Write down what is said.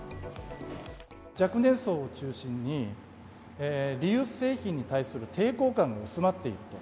若年層を中心に、リユース製品に対する抵抗感が薄まっていると。